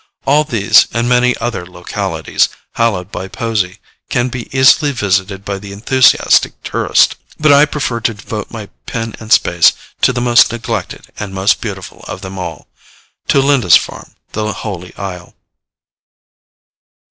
All these, and many other localities, hallowed by poesy, can be easily visited by the enthusiastic tourist; but I prefer to devote my pen and space to the most neglected and most beautiful of them all to Lindisfarn, the Holy Isle.